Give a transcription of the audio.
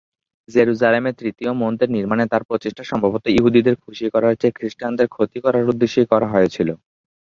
জেরুজালেমে তৃতীয় মন্দির নির্মাণে তার প্রচেষ্টা সম্ভবত ইহুদিদের খুশি করার চেয়ে খ্রিষ্টানদের ক্ষতি করার উদ্দেশ্যেই করা হয়েছিল।